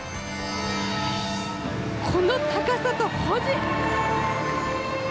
この高さと保持。